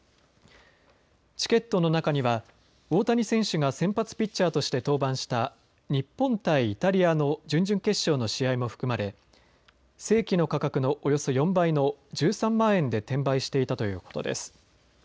チケットの中には大谷選手が先発ピッチャーとして登板した日本対イタリアの準々決勝の試合も含まれ正規の価格のおよそ４倍の１３万円で転売していたということです。